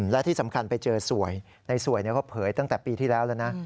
และที่สำคัญไปเจอสวยในสวยเขาเผยตั้งแต่ปีที่แล้วแล้วนะ